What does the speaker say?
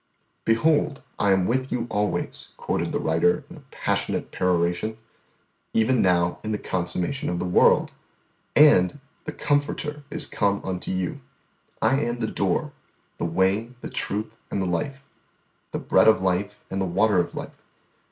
"Behold I am with you always," quoted the writer in a passionate peroration, "_even now in the consummation of the world; and, the Comforter is come unto you. I am the Door the Way, the Truth and the Life the Bread of Life and the Water of Life.